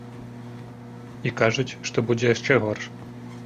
І кажуць, што будзе яшчэ горш.